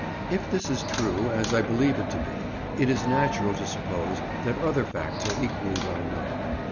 If this is true—as I believe it to be—it is natural to suppose that other facts are equally well known.